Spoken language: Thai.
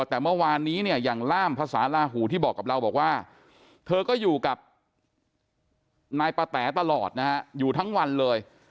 แต่เมื่อวานนี้เนี่ยอย่างล่ามภาษาลาหูที่บอกกับเราบอกว่าเธอก็อยู่กับนายปะแต๋ตลอดนะฮะอยู่ทั้งวันเลย